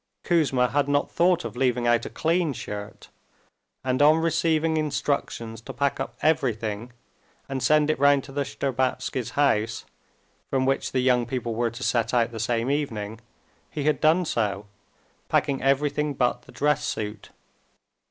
Kouzma had not thought of leaving out a clean shirt, and on receiving instructions to pack up everything and send it round to the Shtcherbatskys' house, from which the young people were to set out the same evening, he had done so, packing everything but the dress suit.